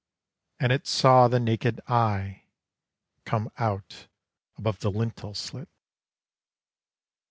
And It saw the Nakéd Eye come out above the lintel slit.